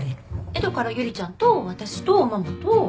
だからゆりちゃんと私とママと。